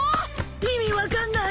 意味分かんない！